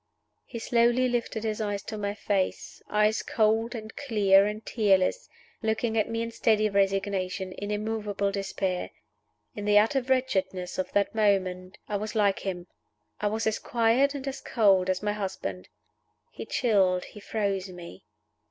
He slowly lifted his eyes to my face eyes cold and clear and tearless looking at me in steady resignation, in immovable despair. In the utter wretchedness of that moment, I was like him; I was as quiet and as cold as my husband. He chilled, he froze me.